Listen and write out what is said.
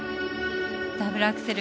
ダブルアクセル。